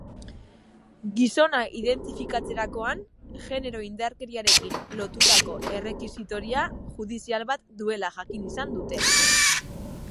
Gizona identifikatzerakoan, genero-indarkeriarekin lotutako errekisitoria judizial bat duela jakin izan dute.